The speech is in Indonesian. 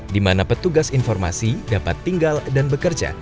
dimana petugas informasi dapat tinggal dan bekerja